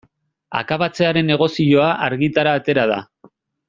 Akabatzearen negozioa argitara atera da.